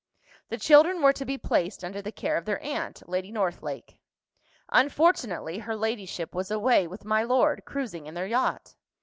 The children were to be placed under the care of their aunt, Lady Northlake. Unfortunately, her ladyship was away with my lord, cruising in their yacht.